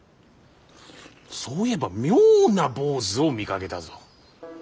そういえば妙な坊主を見かけたぞ。